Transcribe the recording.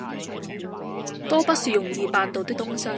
多不是容易辦到的東西。